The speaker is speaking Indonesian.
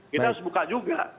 kita harus buka juga